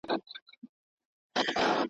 ما ته دي نه ګوري قلم قلم یې کړمه!